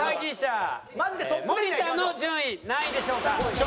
森田の順位何位でしょうか？